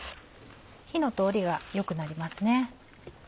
火の通りが良くなりますね。